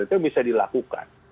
itu bisa dilakukan